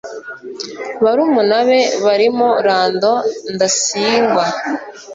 barumuna be barimo Lando Ndasingwa,